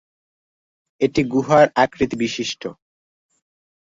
এটি গুহার আকৃতিবিশিষ্ট।